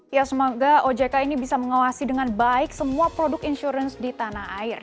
ya semoga ojk ini bisa mengawasi dengan baik semua produk insurance di tanah air